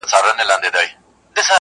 عمر تېر سو کفن کښ د خدای په کار سو!!